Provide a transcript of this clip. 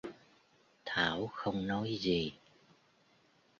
Thảo không nói gì